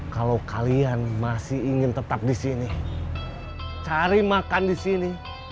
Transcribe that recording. kalau kalian masih ingin tetap di sini cari makan di sini